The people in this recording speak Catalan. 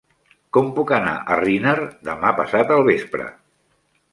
Com puc anar a Riner demà passat al vespre?